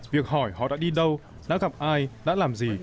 việc hỏi họ đã đi đâu đã gặp ai đã làm gì